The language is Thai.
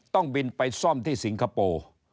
ต้องบินไปซ่อมที่สิงคโปร์